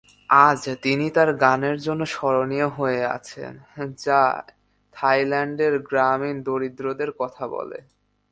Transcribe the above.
আজ তিনি তার গানের জন্য স্মরণীয় হয়ে আছেন, যা থাইল্যান্ডের গ্রামীণ দরিদ্রদের কথা বলে।